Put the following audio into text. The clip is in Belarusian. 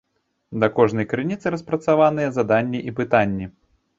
Да кожнай крыніцы распрацаваныя заданні і пытанні.